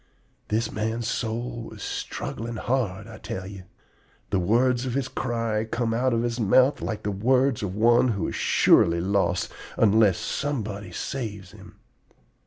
This man's soul was struggling hard, I tell ye. The words of his cry come out of his mouth like the words of one who is surely lost unless somebody saves him.